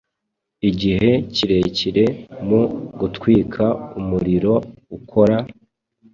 Igihe kirekire mu gutwika umuriro ukora